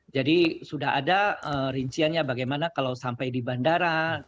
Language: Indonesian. jadi sudah ada rinciannya bagaimana kalau sampai di bandara